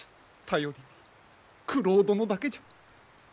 頼りは九郎殿だけじゃ。